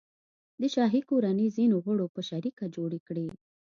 د شاهي کورنۍ ځینو غړو په شریکه جوړې کړي.